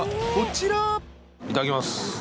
いただきます。